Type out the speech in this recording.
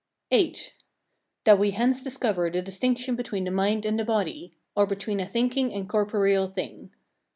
VIII. That we hence discover the distinction between the mind and the body, or between a thinking and corporeal thing.